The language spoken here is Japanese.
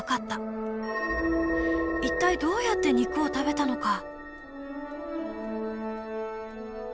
一体どうやって肉を食べたのか？